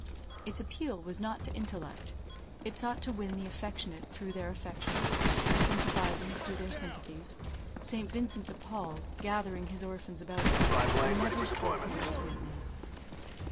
Its appeal was not to intellect; it sought to win the affectionate through their affections, the sympathizing through their sympathies: St. Vincent de Paul, gathering his orphans about him, never spoke more sweetly.